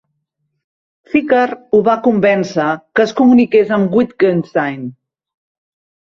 Ficker ho va convèncer que es comuniqués amb Wittgenstein.